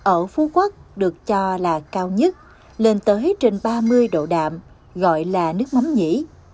ở phú quốc được cho là cao nhất lên tới trên ba mươi độ đạm gọi là nước mắm nhỉ